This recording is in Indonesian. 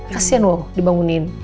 kasian loh dibangunin